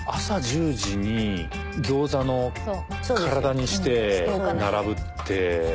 朝１０時に餃子の体にして並ぶって。